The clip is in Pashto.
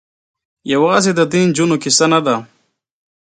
یوازې د دې نجونو کيسه نه ده.